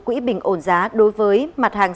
quỹ bình ổn giá đối với mặt hàng